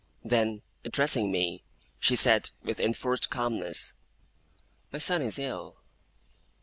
Then, addressing me, she said, with enforced calmness: 'My son is ill.